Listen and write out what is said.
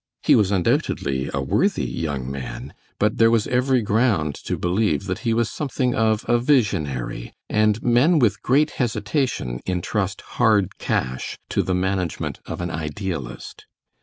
He was undoubtedly a worthy young man, but there was every ground to believe that he was something of a visionary, and men with great hesitation intrust hard cash to the management of an idealist.